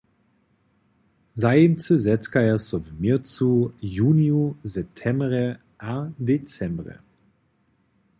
Zajimče zetkaja so w měrcu, juniju, septembrje a decembrje.